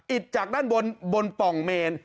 จากด้านบนบนป่องเมน